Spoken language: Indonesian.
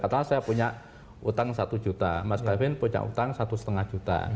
karena saya punya utang satu juta mas kevin punya utang satu lima juta